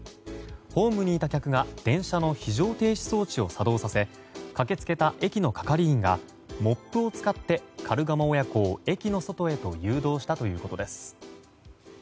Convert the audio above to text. ホームにいた客が電車の非常停止装置を作動させ駆けつけた駅の係員がモップを使ってカルガモ親子を駅の外へと誘導したということです。